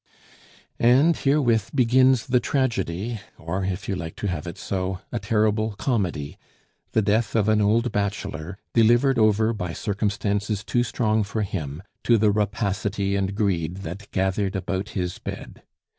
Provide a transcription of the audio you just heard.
And herewith begins the tragedy, or, if you like to have it so, a terrible comedy the death of an old bachelor delivered over by circumstances too strong for him to the rapacity and greed that gathered about his bed.